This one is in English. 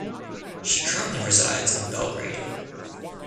She currently resides in Belgrade.